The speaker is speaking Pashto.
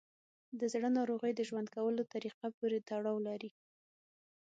د زړه ناروغۍ د ژوند کولو طریقه پورې تړاو لري.